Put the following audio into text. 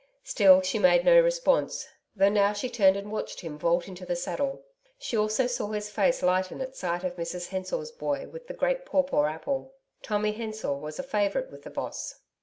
Still she made no response, though now she turned and watched him vault into the saddle. She also saw his face lighten at sight of Mrs Hensor's boy with the great pawpaw apple. Tommy Hensor was a favourite with the Boss.